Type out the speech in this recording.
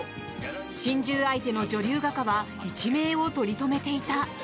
心中相手の女流画家は一命を取り留めていた。